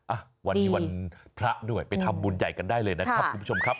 อ่ะวันนี้วันพระด้วยไปทำบุญใหญ่กันได้เลยนะครับคุณผู้ชมครับ